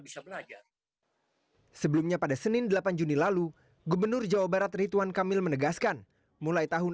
sebelumnya pada senin delapan juni lalu gubernur jawa barat ritwan kamil menegaskan mulai tahun